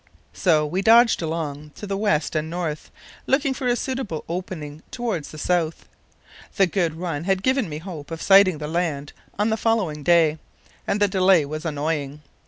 So we dodged along to the west and north, looking for a suitable opening towards the south. The good run had given me hope of sighting the land on the following day, and the delay was annoying.